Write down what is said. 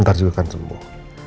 ntar juga akan sembuh